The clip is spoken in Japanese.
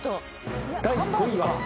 第５位は。